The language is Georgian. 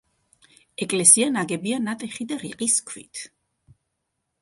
ეკლესია ნაგებია ნატეხი და რიყის ქვით.